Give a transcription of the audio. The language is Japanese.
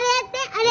あれ！